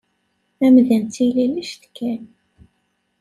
Amdan d tililect kan.